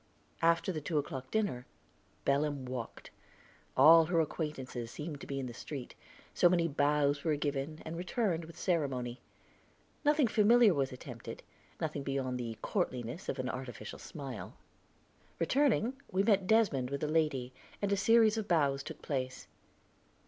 After the two o'clock dinner, Belem walked. All her acquaintances seemed to be in the street, so many bows were given and returned with ceremony. Nothing familiar was attempted, nothing beyond the courtliness of an artificial smile. Returning, we met Desmond with a lady, and a series of bows took place.